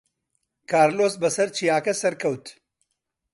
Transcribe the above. کارلۆس بەسەر چیاکە سەرکەوت.